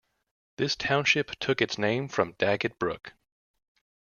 This township took its name from Daggett Brook.